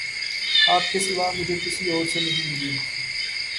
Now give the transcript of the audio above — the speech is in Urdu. آپ کے سوا مجھے کسی اور سے نہیں ملی